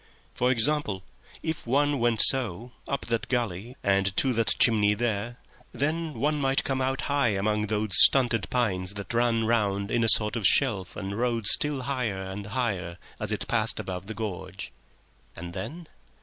For example; if one went so, up that gully and to that chimney there, then one might come out high among those stunted pines that ran round in a sort of shelf and rose still higher and higher as it passed above the gorge. And then?